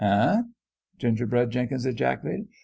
" Eh ?" Gingerbread Jenkins ejaculated.